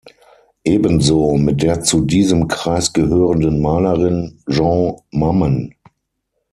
Ebenso mit der zu diesem Kreis gehörenden Malerin Jeanne Mammen.